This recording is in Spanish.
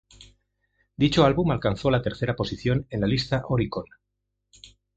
Dicho álbum alcanzó la tercera posición en la lista "Oricon".